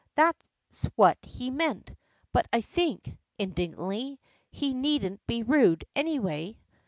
That's what he meant! But I think," indignantly, "he needn't be rude, anyway."